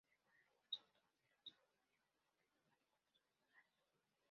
Según algunos autores, era sólo un hijo adoptivo del cónsul Mario.